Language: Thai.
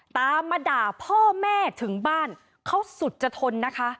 ตามมาด่าพ่อแม่ถึงบ้านเขาสุดจะทนนะคะ